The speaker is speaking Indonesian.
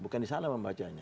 bukan di sana membacanya